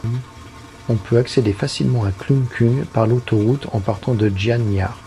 On peut accéder facilement à Klungkung par l'autoroute en partant de Gianyar.